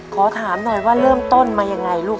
ขอถามหน่อยว่าเริ่มต้นมายังไงลูก